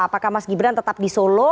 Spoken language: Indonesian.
apakah mas gibran tetap di solo